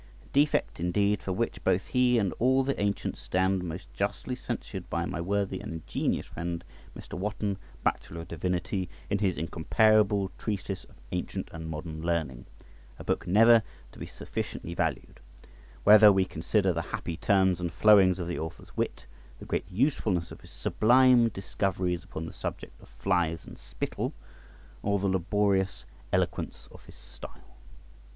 A defect, indeed, for which both he and all the ancients stand most justly censured by my worthy and ingenious friend Mr. Wotton, Bachelor of Divinity, in his incomparable treatise of ancient and modern learning; a book never to be sufficiently valued, whether we consider the happy turns and flowings of the author's wit, the great usefulness of his sublime discoveries upon the subject of flies and spittle, or the laborious eloquence of his style.